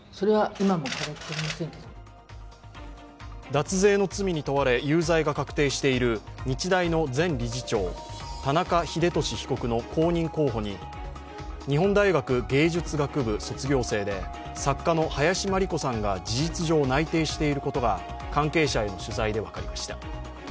脱税の罪に問われ有罪が確定している日大の前理事長、田中英寿被告の後任候補に日本大学芸術学部卒業生で作家の林真理子さんが事実上内定していることが関係者への取材で分かりました。